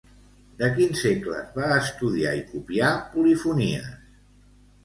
De quins segles va estudiar i copiar polifonies?